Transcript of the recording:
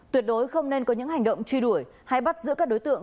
tuyệt đối không nên có những hành động truy đuổi hay bắt giữ các đối tượng